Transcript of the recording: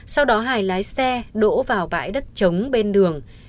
sau đó hà lái xe đỗ vào vãi đất chống bên đường